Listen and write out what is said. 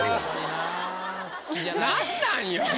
何なんよ？